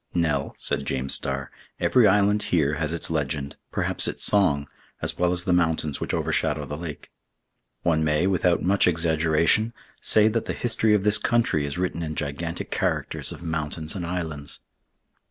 "Nell," said James Starr, "every island here has its legend, perhaps its song, as well as the mountains which overshadow the lake. One may, without much exaggeration, say that the history of this country is written in gigantic characters of mountains and islands."